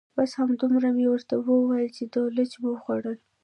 بس همدومره مې ورته وویل چې دولچ مو وخوړل.